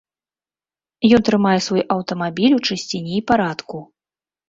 Ён трымае свой аўтамабіль у чысціні і парадку.